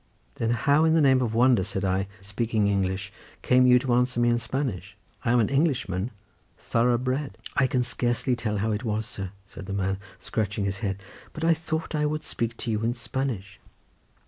"Then how in the name of wonder," said I, speaking English, "came you to answer me in Spanish? I am an Englishman thorough bred." "I can scarcely tell you how it was, sir," said the man scratching his head, "but I thought I would speak to you in Spanish."